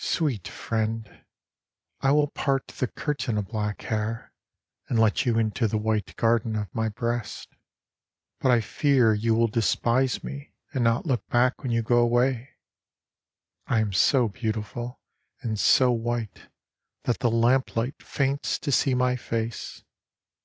Sweet friend, I will part the curtain of black hair and let you into the white garden of my breast. But I fear you will despise me and not look back when you go away. I am so beautiful and so white that the lamp^light faints to see my face.